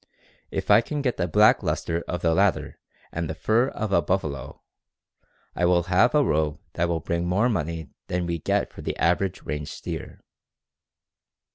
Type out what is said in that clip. If I can get the black luster of the latter and the fur of a buffalo, I will have a robe that will bring more money than we get for the average range steer."